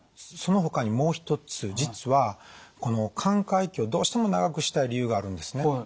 その他にもう一つ実はこの寛解期をどうしても長くしたい理由があるんですね。